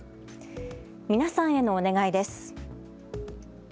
皆さんへのお願いです。